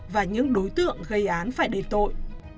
và những đối tượng gây án phải đề tội